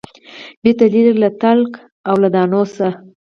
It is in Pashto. بیرته لیري له تلک او له دانې سو